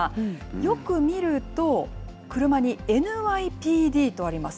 よく見ると、車にＮＹＰＤとあります。